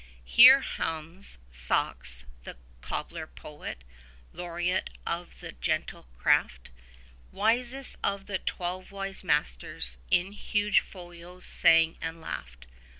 36 Here Hans Sachs, the cobbler poet, laureate of the gentle craft, Wisest of the Twelve Wise Masters, in huge folios sang and laughed.